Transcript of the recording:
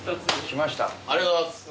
ありがとうございます。